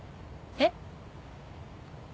えっ？